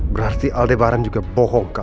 berarti aldebaran juga bohong ke aku